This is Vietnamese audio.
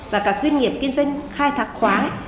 và các doanh nghiệp kinh doanh khai thác khoáng